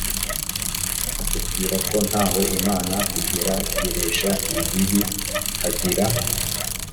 hatubwira ko nta we imana igerageresha ibibi hagira